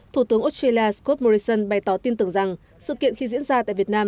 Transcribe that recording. thủ tướng australia scott morrison bày tỏ tin tưởng rằng sự kiện khi diễn ra tại việt nam